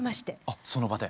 あっその場で？